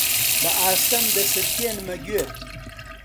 بەئاستەم دەسرتێنمە گوێت: